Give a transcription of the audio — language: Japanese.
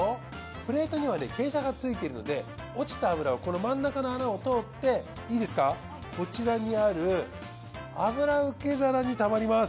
プレートにはね傾斜がついているので落ちた脂をこの真ん中の穴を通っていいですかこちらにある脂受け皿にたまります。